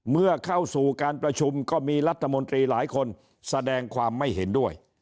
เมื่อเข้าสู่การประชุมก็มีรัฐมนตรีหลายคนแสดงความไม่เห็นด้วย